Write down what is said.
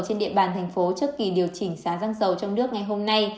trên địa bàn thành phố trước kỳ điều chỉnh giá xăng dầu trong nước ngày hôm nay